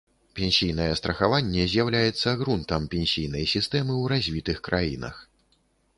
Пенсійнае страхаванне з'яўляецца грунтам пенсійнай сістэмы ў развітых краінах.